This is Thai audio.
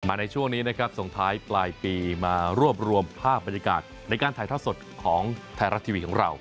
ในช่วงนี้นะครับส่งท้ายปลายปีมารวบรวมภาพบรรยากาศในการถ่ายทอดสดของไทยรัฐทีวีของเรา